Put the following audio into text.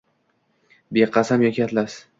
beqasam yoki atlas